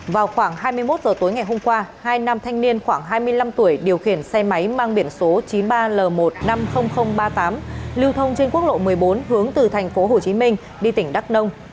vào khoảng hai mươi một h tối ngày hôm qua hai nam thanh niên khoảng hai mươi năm tuổi điều khiển xe máy mang biển số chín mươi ba l một trăm năm mươi nghìn ba mươi tám lưu thông trên quốc lộ một mươi bốn hướng từ tp hcm đi tỉnh đắk nông